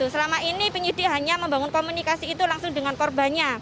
selama ini penyedihan membangun komunikasi itu langsung dengan korbannya